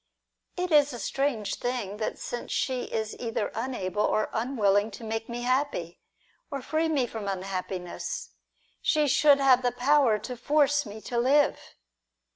It is a strange thing that since she is either unable or unwilling to make me happy, or free me from unhappiness, she should have the power to force me to live.